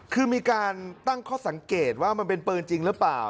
คือมีการตั้งข้อสังเกตว่ามันเป็นปืนจริงหรือเปล่า